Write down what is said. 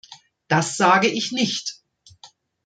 Das sage ich nicht.